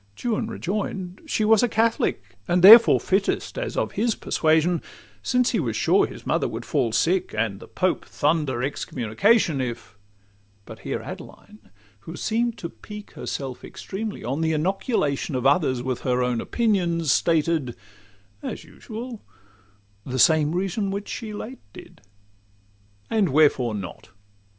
Juan rejoin'd—'She was a Catholic, And therefore fittest, as of his persuasion; Since he was sure his mother would fall sick, And the Pope thunder excommunication, If ' But here Adeline, who seem'd to pique Herself extremely on the inoculation Of others with her own opinions, stated— As usual—the same reason which she late did. And wherefore not?